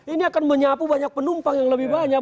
ini akan menyapu banyak penumpang yang lebih banyak